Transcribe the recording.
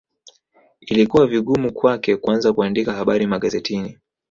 Ilikuwa vigumu kwake kuanza kuandika habari magazetini